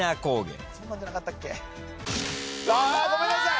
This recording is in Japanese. あごめんなさい！